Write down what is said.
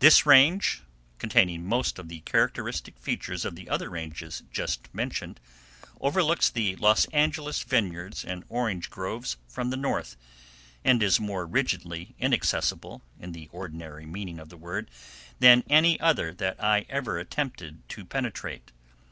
This range, containing most of the characteristic features of the other ranges just mentioned, overlooks the Los Angeles vineyards and orange groves from the north, and is more rigidly inaccessible in the ordinary meaning of the word than any other that I ever attempted to penetrate.